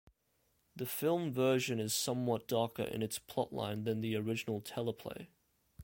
The film version is somewhat darker in its plotline than the original teleplay.